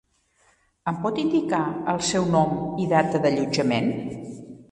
Em pot indicar el seu nom i data d'allotjament?